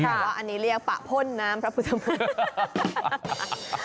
อันนี้เรียกปะพ่นน้ำพระพุทธมนตร์